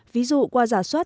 ví dụ qua giả soát